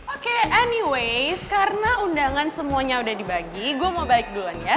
oke anyways karena undangan semuanya udah dibagi gue mau balik duluan ya